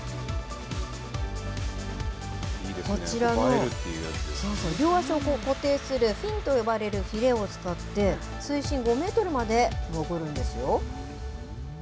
こちらの両足を固定するフィンと呼ばれるひれを使って、水深５メートルまで潜るんですよ。